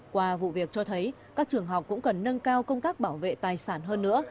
qua vụ việc cho thấy các trường học cũng cần nâng cao công tác bảo vệ tài sản hơn nữa